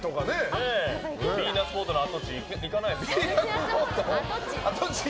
ヴィーナスフォートの跡地行かないですか。